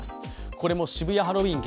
これも渋谷ハロウィーン